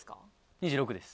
２６です。